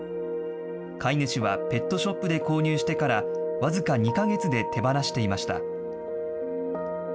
飼い主はペットショップで購入してから、僅か２か月で手放していました。